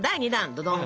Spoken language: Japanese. ドドン！